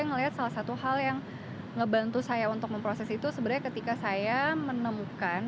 ngelihat salah satu hal yang ngebantu saya untuk memproses itu sebenarnya ketika saya menemukan